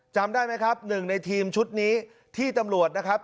จำได้ไหมครับหนึ่งในทีมชุดนี้ที่ตำรวจนะครับ